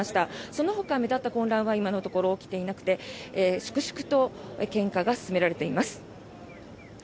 そのほか、目立った混乱は今のところ起きていなくて粛々と献花が進められています。